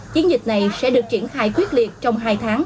chiến dịch này sẽ được triển khai quyết liệt trong hai tháng